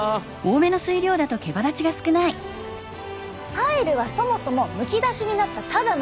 パイルはそもそもむき出しになったただの糸。